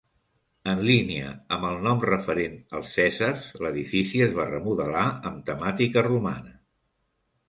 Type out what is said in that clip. En línia amb el nom referent als cèsars, l'edifici es va remodelar amb temàtica romana.